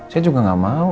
saya juga gak mau